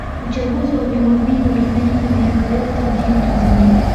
uchaguzi wa vyama vingi unafanyika miaka yote nchini tanzania